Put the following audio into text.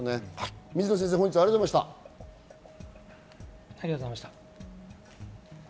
水野先生、本日はありがとうございました。